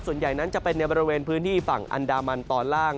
ส่วนใหญ่นั้นจะเป็นในบริเวณพื้นที่ฝั่งอันดามันตอนล่าง